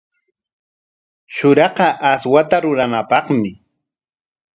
Shuraqa aswata ruranapaqmi.